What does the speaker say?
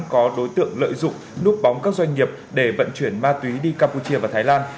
có đối tượng lợi dụng núp bóng các doanh nghiệp để vận chuyển ma túy đi campuchia và thái lan